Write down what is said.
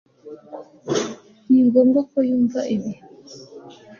Ni ngombwa ko yumva ibi